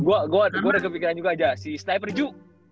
bener gue ada kepikiran juga aja si sniper ju